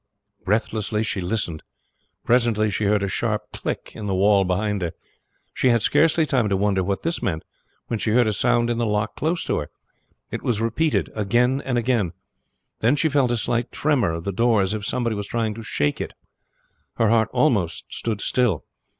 Breathlessly she listened. Presently she heard a sharp click in the wall behind her. She had scarcely time to wonder what this meant when she heard a sound in the lock close to her. It was repeated again and again. Then she felt a slight tremor of the door as if somebody was trying to shake it. Her heart almost stood still.